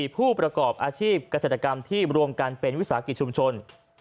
ผู้ประกอบอาชีพเกษตรกรรมที่รวมกันเป็นวิสาหกิจชุมชน